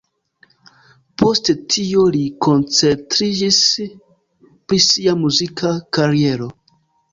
Post tio li koncentriĝis pri sia muzika kariero.